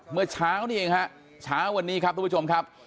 เมื่อเช้านี้เองฮะเช้าวันนี้ครับทุกผู้ชมครับ